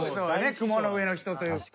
雲の上の人という。